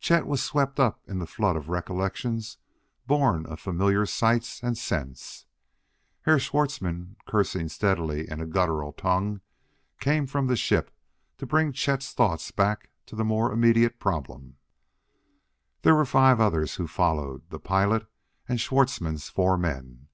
Chet was swept up in the flood of recollections born of familiar sights and scents. Herr Schwartzmann, cursing steadily in a guttural tongue, came from the ship to bring Chet's thoughts back to the more immediate problem. There were five others who followed the pilot and Schwartzmann's four men.